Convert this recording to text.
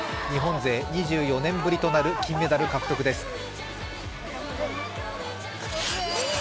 日本勢２４年ぶりとなる金メダル獲得です。